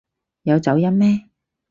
有走音咩？